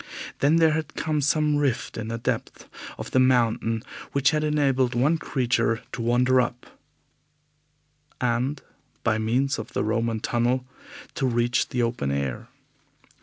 Then there had come some rift in the depths of the mountain which had enabled one creature to wander up and, by means of the Roman tunnel, to reach the open air.